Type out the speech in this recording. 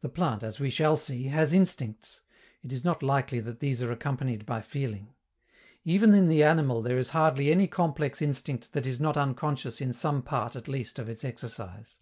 The plant, as we shall see, has instincts; it is not likely that these are accompanied by feeling. Even in the animal there is hardly any complex instinct that is not unconscious in some part at least of its exercise.